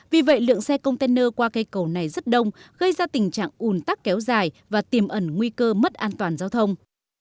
vì vậy lượng xe container qua cây cầu này rất đông gây ra tình trạng ùn tắc kéo dài và tiềm ẩn nguy cơ mất an toàn giao thông